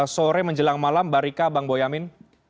sore menjelang malam mbak rika bang boyamin